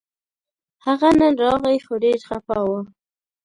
هغه نن راغی خو ډېر خپه و